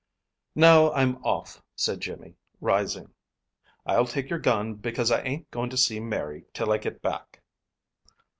"Now, I'm off," said Jimmy, rising. "I'll take your gun, because I ain't goin' to see Mary till I get back."